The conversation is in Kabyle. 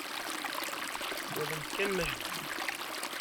Walimt kan ma jban-d.